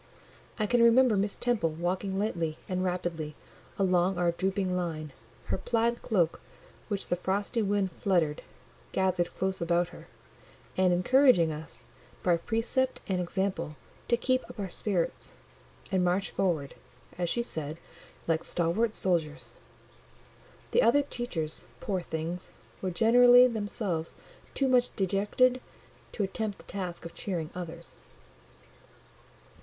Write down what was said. I can remember Miss Temple walking lightly and rapidly along our drooping line, her plaid cloak, which the frosty wind fluttered, gathered close about her, and encouraging us, by precept and example, to keep up our spirits, and march forward, as she said, "like stalwart soldiers." The other teachers, poor things, were generally themselves too much dejected to attempt the task of cheering others.